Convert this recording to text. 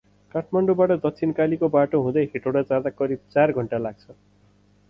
काठमाडौँ बाट दक्षिणकालीको बाटो हुदै हेटौडा जादा करिब चार घण्टा लाग्छ ।